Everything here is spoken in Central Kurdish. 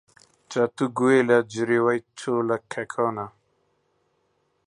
چەتۆ گوێی لە جریوەی چۆلەکەکانە.